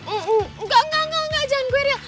engga engga engga jangan gue riel